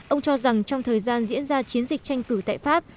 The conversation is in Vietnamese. ông cho rằng trong thời gian diễn ra chiến dịch tranh cử tại pháp